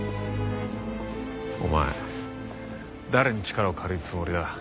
お前誰に力を借りるつもりだ？